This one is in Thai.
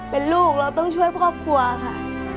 เป็นลูกเราต้องช่วยครอบครัวค่ะ